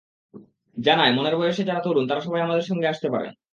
জানায়, মনের বয়সে যারা তরুণ তারা সবাই আমাদের সঙ্গে আসতে পারেন।